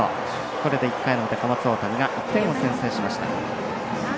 これで１回の表小松大谷が１点を先制しました。